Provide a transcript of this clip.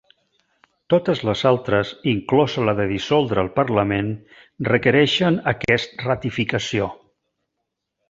Totes les altres, inclosa la de dissoldre el parlament, requereixen aquest ratificació